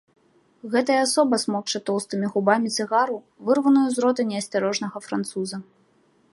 Гэтая асоба смокча тоўстымі губамі цыгару, вырваную з рота неасцярожнага француза.